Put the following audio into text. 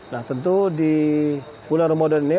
nah tentu di bulan ramadan ini